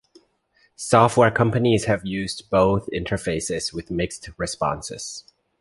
Software companies have used both interfaces with mixed responses.